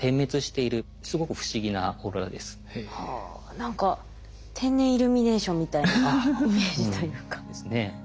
何か天然イルミネーションみたいなイメージというか。ですね。